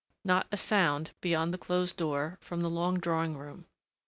Not a sound, beyond the closed door, from the long drawing room.